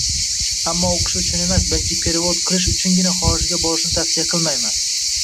Ammo oʻqish uchun emas, balki “perevod” qilish uchungina xorijga borishni tavsiya qilmayman